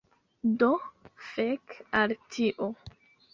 Do fek al tio